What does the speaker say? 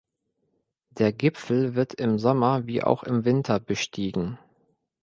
Der Gipfel wird im Sommer wie auch im Winter bestiegen.